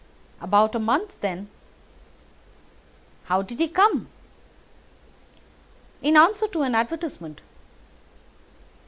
"About a month then." "How did he come?" "In answer to an advertisement."